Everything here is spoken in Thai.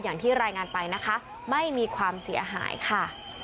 อย่างที่รายงานไปนะคะไม่มีความเสียหายค่ะ